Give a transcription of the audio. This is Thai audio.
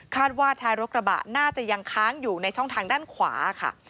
ว่าท้ายรถกระบะน่าจะยังค้างอยู่ในช่องทางด้านขวาค่ะ